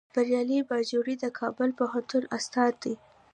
بریالی باجوړی د کابل پوهنتون استاد دی